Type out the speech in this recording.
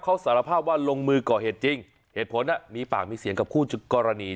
เขาสารภาพว่าลงมือก่อเหตุจริงเหตุผลมีปากมีเสียงกับคู่กรณี